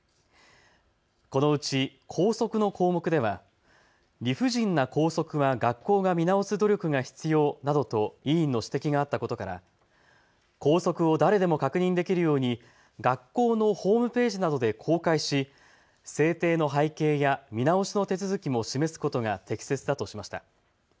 このうち校則の項目では理不尽な校則は学校が見直す努力が必要などと委員の指摘があったことから校則を誰でも確認できるように学校のホームページなどで公開し制定の背景や見直しの手続きも示すことが適切だとしました。